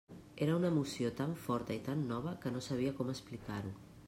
Era una emoció tan forta i tan nova, que no sabia com explicar-ho.